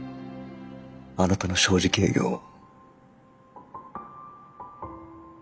あなたの正直営業を。